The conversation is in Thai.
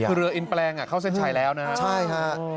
คือเรืออินแปลงเข้าเส้นชัยแล้วนะฮะใช่ฮะ